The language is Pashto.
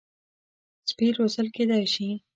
سپي روزل کېدای شي.